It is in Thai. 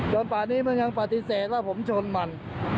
ป่านี้มันยังปฏิเสธว่าผมชนมัน